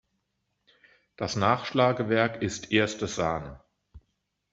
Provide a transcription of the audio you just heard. Das Nachschlagewerk ist erste Sahne!